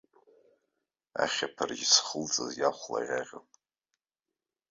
Ахьаԥарч зхылҵыз иахәлаӷьаӷьон.